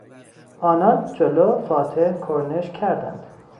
آنان جلو فاتح کرنش کردند.